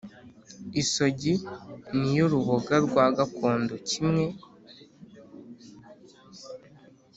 isogi ni yo ruboga rwa gakondo kimwe